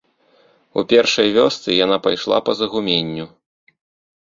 У першай вёсцы яна пайшла па загуменню.